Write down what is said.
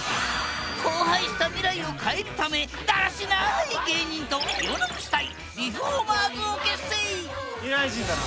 荒廃した未来を変えるためだらしない芸人と「世直し隊リフォーマーズ」を結成未来人だな。